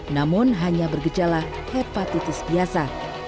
namun hanya bergejala hepatitis biasa